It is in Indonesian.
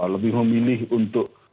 lebih memilih untuk